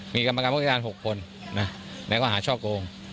มีกรรมการพจกรรม๖คนนะก็มาหาช่องโกง